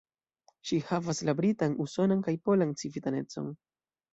Ŝi havas la britan, usonan kaj polan civitanecon.